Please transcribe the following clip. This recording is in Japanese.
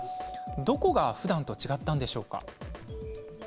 どこがふだんと違ったんでしょう。